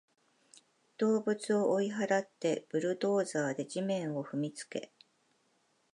動物を追い払って、ブルドーザーで地面を踏みつけ